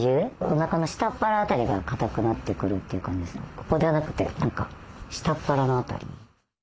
ここじゃなくて何か下っ腹の辺り。